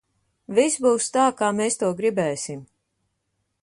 Viss būs tā, kā mēs to gribēsim!